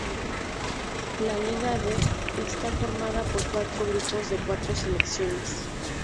La Liga D está formada por cuatro grupos de cuatro selecciones.